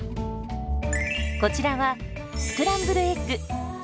こちらはスクランブルエッグ。